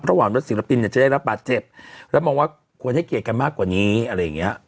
ระหว่างรถศิลปินเนี่ยจะได้รับบาดเจ็บแล้วมองว่าควรให้เกียรติกันมากกว่านี้อะไรอย่างเงี้ย